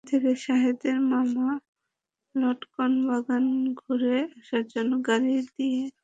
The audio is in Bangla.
সেখান থেকে শাহেদের মামা লটকন বাগান ঘুরে আসার জন্য গাড়ি দিয়ে দিলেন।